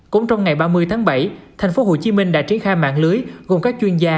cũng trong ngày ba mươi tháng bảy thành phố hồ chí minh đã triển khai mạng lưới gồm các chuyên gia